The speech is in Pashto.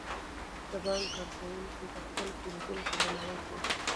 د بانک کارکوونکي د خپلو پیرودونکو درناوی کوي.